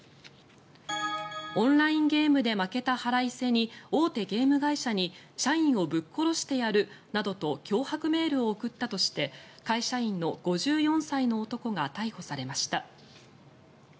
オンラインゲームで負けた腹いせに大手ゲーム会社に社員をぶっ殺してやるなどと脅迫メールを送ったとして会社員の５４歳の男が逮捕されました。